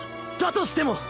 としても